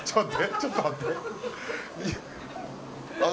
ちょっと待って。